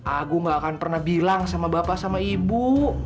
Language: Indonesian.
aku gak akan pernah bilang sama bapak sama ibu